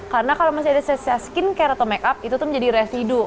karena kalau masih ada skincare atau makeup itu tuh menjadi residu